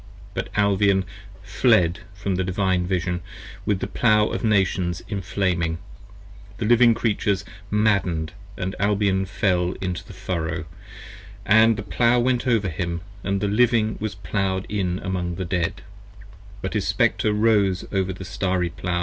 But Albion fled from the Divine Vision with the Plow of Nations enflaming, The Living Creatures madden'd and Albion fell into the Furrow, and The Plow went over him & the Living was Plowed in among the Dead: 15 But his Spectre rose over the starry Plow.